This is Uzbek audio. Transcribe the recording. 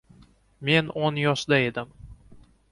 Men o‘n yoshda edim